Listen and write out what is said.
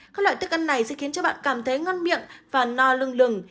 các loại thức ăn này sẽ khiến cho bạn cảm thấy ngăn miệng và no lưng lừng